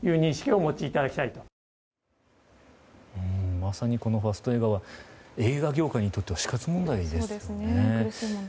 まさにファスト映画は映画業界にとっては死活問題ですよね。